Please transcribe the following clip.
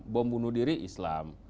bom bunuh diri islam